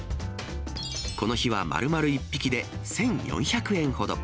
この日は丸々１匹で１４００円ほど。